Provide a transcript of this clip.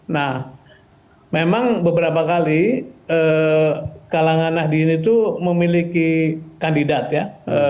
nah memang beberapa kali kalangan nahdien itu memiliki kandidat ya